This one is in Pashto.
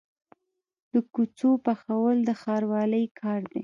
د کوڅو پخول د ښاروالۍ کار دی